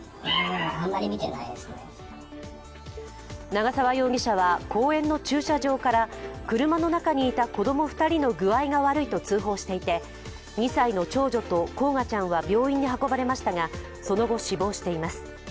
長沢容疑者は公園の駐車場から車の中にいた子供２人の具合が悪いと通報していて、２歳の長女と煌翔ちゃんは病院に運ばれましたがその後、死亡しています。